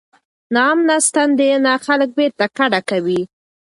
ناامنه ستنېدنه خلک بیرته کډه کوي.